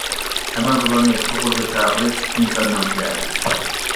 ئەمما بۇلارنى توغرىغا چاقىرىش ئىنساننىڭ تىلى ئەمەس.